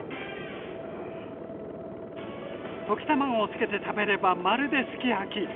溶き卵をつけて食べればまるですき焼き！